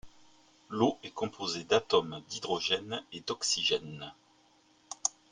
L'eau est composée d'atomes d'hydrogène et d'oxygène.